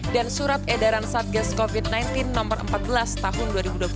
dan surat edaran satgas covid sembilan belas no empat belas tahun dua ribu dua puluh satu